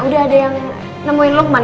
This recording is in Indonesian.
udah ada yang nemuin lukman